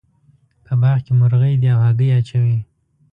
په باغ کې مرغۍ دي او هګۍ اچوې